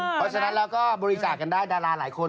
เพราะฉะนั้นเราก็บริจาคกันได้ดาราหลายคน